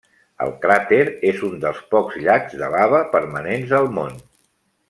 El cràter és un dels pocs llacs de lava permanents al món.